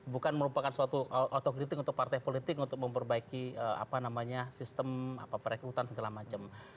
bukan merupakan suatu otokritik untuk partai politik untuk memperbaiki sistem perekrutan segala macam